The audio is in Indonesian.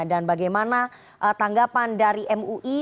dan bagaimana tanggapan dari mui